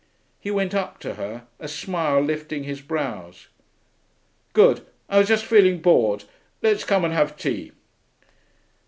He went up to her, a smile lifting his brows. 'Good. I was just feeling bored. Let's come and have tea.'